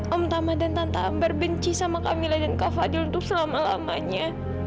om tama dan tanta amber benci sama kamila dan kak fadil untuk selama lamanya